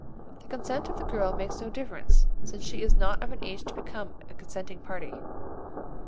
The consent of the girl makes no difference, since she is not of an age to become a consenting party.